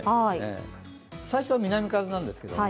最初は南風なんですけどね。